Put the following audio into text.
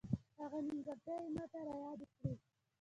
هغه نیمګړتیاوې ماته را یادې کړې.